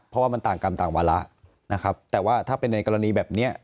เพราะว่ามันต่างกรรมต่างวาระนะครับแต่ว่าถ้าเป็นในกรณีแบบนี้